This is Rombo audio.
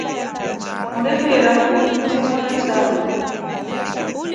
Onde tuneera nguu zekora chao.